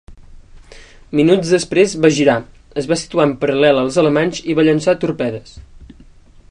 Minuts després va girar, es va situar en paral·lel als alemanys i va llançar torpedes.